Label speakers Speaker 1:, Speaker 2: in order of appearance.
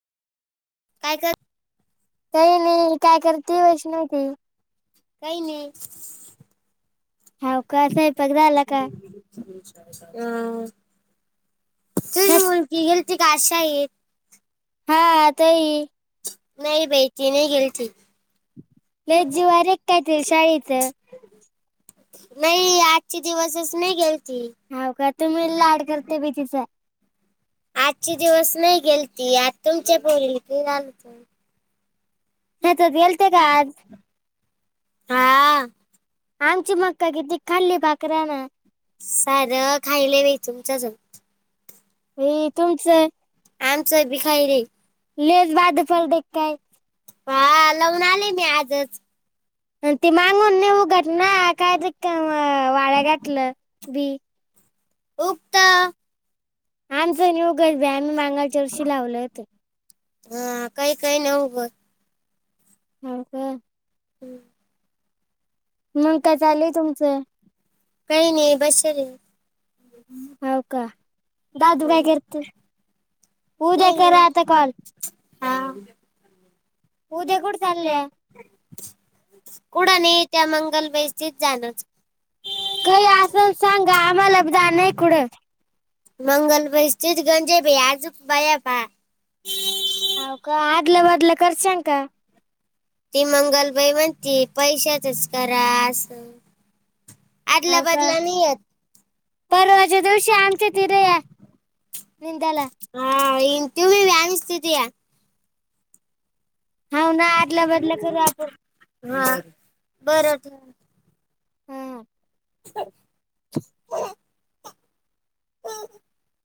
Speaker 1: काय कर
Speaker 2: काही नाही काय करते वैष्णवी?
Speaker 1: काही नाई.
Speaker 2: हाव का, स्वयंपाक झाला का?
Speaker 1: अ तुच
Speaker 2: हेच
Speaker 1: बोलती घे. काशा आहे
Speaker 2: हा ताई
Speaker 1: [unintelligible] नाही बाई ते नाही गेलती.
Speaker 2: लयच जीवारीेक काय तील शाळेच?
Speaker 1: नाही आजचे दिवसच नाही गेलती.
Speaker 2: हाव का तुम्ही लाड करतेय बी तिचा.
Speaker 1: आजची दिवस नाही गेल ती आ तुमच्या पोरीला घेऊ घाला की.
Speaker 2: हा ते हेलते का आज?
Speaker 1: हा.
Speaker 2: आमची मक्का किती खाल्ली बाकरान.
Speaker 1: सारं खायला बाातुमच्याच
Speaker 2: ह तुमचं?
Speaker 1: आमचं बी खायले.
Speaker 2: लेज बाद पडले काय
Speaker 1: हा लावून आले मी आजच.
Speaker 2: ते मागून नेऊ घट
Speaker 1: उगत
Speaker 2: ना काय ते वाळ घाठलं बी.
Speaker 1: उक्ता.
Speaker 2: आमचं नि उगच भ आम्ही मांगाच्या वर्षी लावलो हो ते.
Speaker 1: हा काही काही नाही उगवतं.
Speaker 2: हा का.
Speaker 1: [inaudible]
Speaker 2: मग काय चालेलय तुमचं.
Speaker 1: काही नाही बसरे.
Speaker 2: हो का दादू काय करत उद्या खरा आता कॉल.
Speaker 1: हा.
Speaker 2: ऊद्या कुड चालले.
Speaker 1: कुड नाही त्या मंगल बैस जाणच.
Speaker 2: काही असल सांगा आम्हाला जाण आहे कुठं
Speaker 1: [unintelligible] मंगलपर स्थित गत आजुक बायापा.
Speaker 2: अ का आदले वादलं करशाव का?
Speaker 1: ती मंगलबाई म्हणते पैशाचच करा अस. आदला
Speaker 2: हो का
Speaker 1: बदला नाहीयत. [inaudible]
Speaker 2: परवाच्या दिवशी आमच्या तिथे या निंदाला.
Speaker 1: हा इन तु म व अनस्ततय.
Speaker 2: हा ना आदल्या बदल्या खरं आपण.
Speaker 1: हा बरं.
Speaker 2: हा
Speaker 1: [inaudible] [unintelligible]